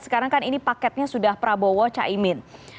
sekarang kan ini paketnya sudah prabowo caimin